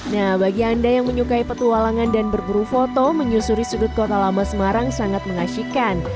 nah bagi anda yang menyukai petualangan dan berburu foto menyusuri sudut kota lama semarang sangat mengasihkan